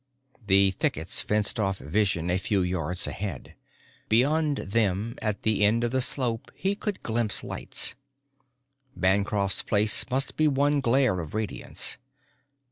The thickets fenced off vision a few yards ahead. Beyond them, at the end of the slope, he could glimpse lights. Bancroft's place must be one glare of radiance.